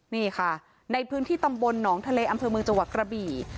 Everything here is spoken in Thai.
นี่ค่ะในพื้นที่ตำบลหนองทะเลอำเภอเมืองจังหวัดกระบี่